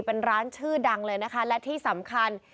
เป็นร้านชื่อดังเลยนะคะและที่สำคัญ